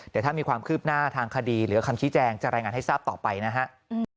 เดี๋ยวถ้ามีความคืบหน้าทางคดีหรือคำชี้แจงจะรายงานให้ทราบต่อไปนะครับ